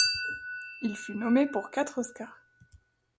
Il fut nommé pour quatre oscars.